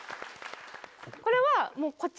これはもうこっち